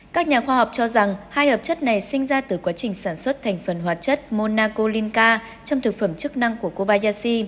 các nhà khoa học cho rằng hai hợp chất này sinh ra từ quá trình sản xuất thành phần hoạt chất monacolinca trong thực phẩm chức năng của kobayashi